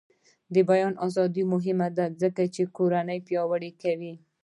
د بیان ازادي مهمه ده ځکه چې کورنۍ پیاوړې کوي.